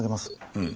うん。